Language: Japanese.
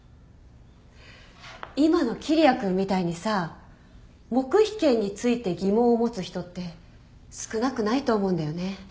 今の桐矢君みたいにさ黙秘権について疑問を持つ人って少なくないと思うんだよね。